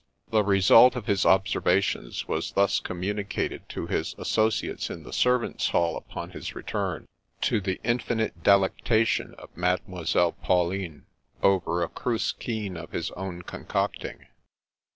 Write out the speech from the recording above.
The result of his observations was thus communicated to his associates in the Servants' Hall upon his return, to the in finite delectation of Mademoiselle Pauline over a Cruiskeen of his own concocting.